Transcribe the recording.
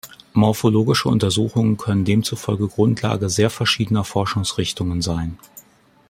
Morphologische Untersuchungen können demzufolge Grundlage sehr verschiedener Forschungsrichtungen sein.